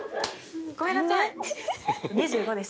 ごめんなさい！